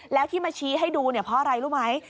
แล้วที่มาชี้ให้ดูเนี่ยเพราะอะไรรู้ไหม